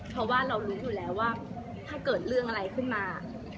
เพราะว่าเรารู้อยู่แล้วว่าถ้าเกิดเรื่องอะไรขึ้นมา